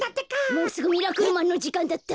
もうすぐ「ミラクルマン」のじかんだった。